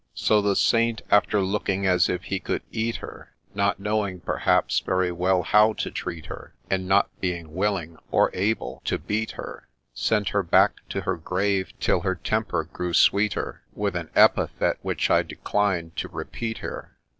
' So, the Saint, after looking as if he could eat her, Not knowing, perhaps, very well how to treat her, And not being willing, — or able, — to beat her, THE CYNOTAPH 67 Sent her back to her grave till her temper grew sweeter, With an epithet which I decline to repeat here.